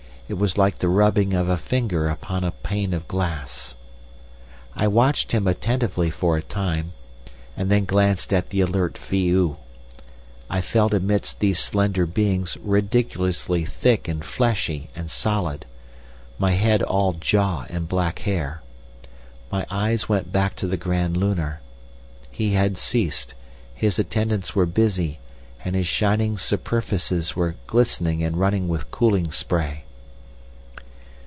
It was like the rubbing of a finger upon a pane of glass. "I watched him attentively for a time, and then glanced at the alert Phi oo. I felt amidst these slender beings ridiculously thick and fleshy and solid; my head all jaw and black hair. My eyes went back to the Grand Lunar. He had ceased; his attendants were busy, and his shining superficies was glistening and running with cooling spray.